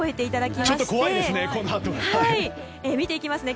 ちょっと怖いですね